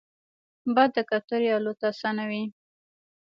باد د کوترې الوت اسانوي